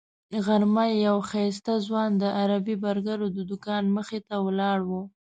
غرمه یو ښایسته ځوان د عربي برګرو د دوکان مخې ته ولاړ و.